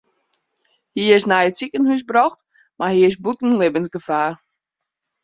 Hy is nei it sikehús brocht mar hy is bûten libbensgefaar.